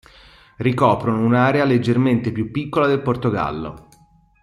Ricoprono un'area leggermente più piccola del Portogallo.